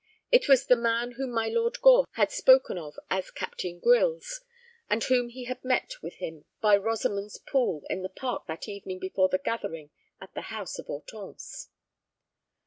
It was the man whom my Lord Gore had spoken of as Captain Grylls, and whom he had met with him by Rosamond's Pool in the park that evening before the gathering at the house of Hortense.